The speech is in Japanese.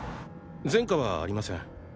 前科はありません。